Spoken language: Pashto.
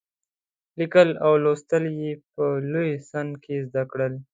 لیکل او لوستل یې په لوی سن کې زده کړل.